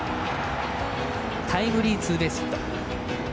タイムリーツーベースヒット。